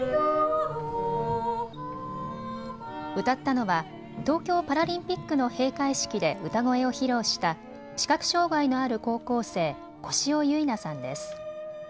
歌ったのは東京パラリンピックの閉会式で歌声を披露した視覚障害のある高校生、小汐唯菜さんです。